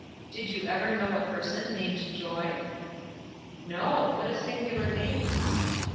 "Did you ever know a person named Joy?" "No; what a singular name."